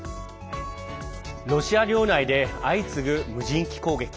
ロシア領内で相次ぐ無人機攻撃。